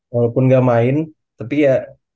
walaupun gak main tapi ya